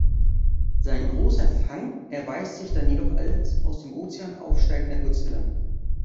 Sein großer Fang erweist sich dann jedoch als aus dem Ozean aufsteigender Godzilla.